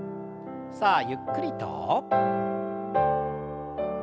さあゆっくりと。